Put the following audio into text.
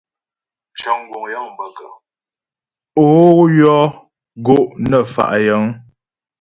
Ó yɔ́ gó' nə fa' yəŋ.